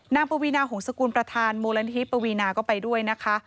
ปวีนาหงษกุลประธานมูลนิธิปวีนาก็ไปด้วยนะคะ